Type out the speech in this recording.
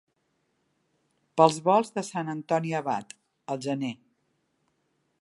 Pels volts de Sant Antoni Abat, al gener.